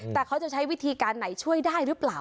แต่เขาจะใช้วิธีการไหนช่วยได้หรือเปล่า